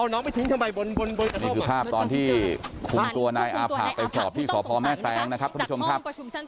นี่คือภาพตอนที่คุมตัวนายอาผะไปสอบที่สพแม่แตงนะครับคุณผู้ชมครับ